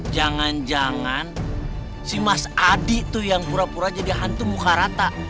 jangan jangan si mas adi tuh yang pura pura jadi hantu mukarata